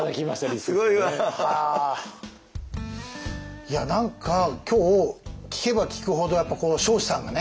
いや何か今日聞けば聞くほどやっぱこの彰子さんがね